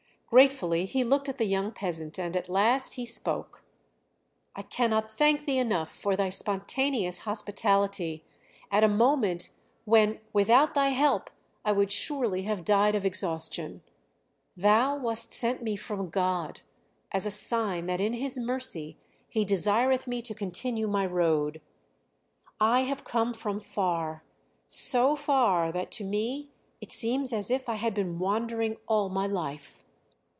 Gratefully he looked at the young peasant, and at last he spoke: "I cannot thank thee enough for thy spontaneous hospitality at a moment when without thy help I would surely have died of exhaustion. Thou wast sent me from God, as a sign that in His mercy He desireth me to continue my road. I have come from far, so far that to me it seems as if I had been wandering all my life."